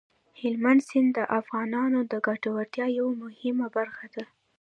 هلمند سیند د افغانانو د ګټورتیا یوه مهمه برخه ده.